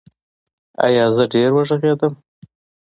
ایا زه ډیر وغږیدم؟